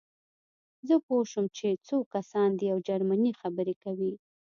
زه پوه شوم چې څو کسان دي او جرمني خبرې کوي